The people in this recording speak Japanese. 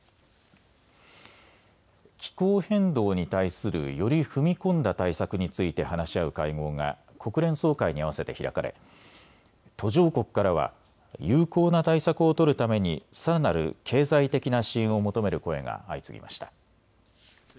気候変動に対するより踏み込んだ対策について話し合う会合が国連総会に合わせて開かれ途上国からは有効な対策を取るためにさらなる経済的な支援を求める声が相次ぎました。